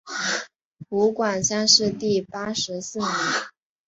湖广乡试第八十四名。